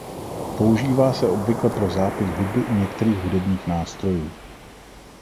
Používá se obvykle pro zápis hudby u některých hudebních nástrojů.